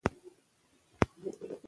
باسواده ښځې د اخلاقي ارزښتونو ساتنه کوي.